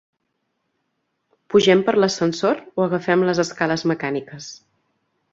Pugem per l'ascensor o agafem les escales mecàniques?